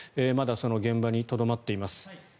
まだその現場にとどまっています。